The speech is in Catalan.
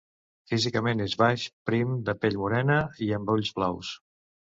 Físicament és baix, prim, de pell morena i amb ulls blaus.